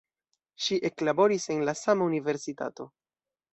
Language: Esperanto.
Ŝi eklaboris en la sama universitato.